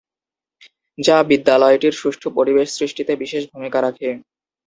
যা বিদ্যালয়টির সুষ্ঠু পরিবেশ সৃষ্টিতে বিশেষ ভূমিকা রাখে।